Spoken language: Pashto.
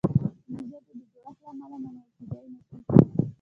د ژبې د جوړښت له امله منل کیدلای نه شي.